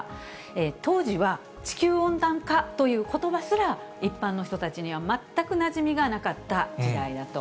当時は地球温暖化ということばすら、一般の人たちには全くなじみがなかった時代だと。